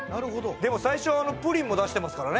でも最初プリンも出してますからね。